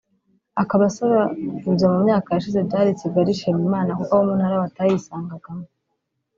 akaba asaba ibyo mu myaka yashize byari 'Kigali Shima Imana' kuko abo mu ntara batayisangagamo